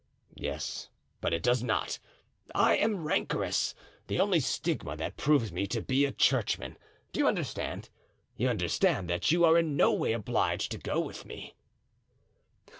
"'Yes, but it does not; I am rancorous—the only stigma that proves me to be a churchman. Do you understand? You understand that you are in no way obliged to go with me."